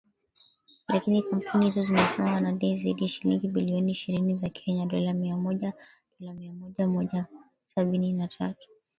Lakini kampuni hizo zinasema wanadai zaidi ya shilingi bilioni ishirini za Kenya dola mia moja Dola milioni Mia Moja sabini na tatu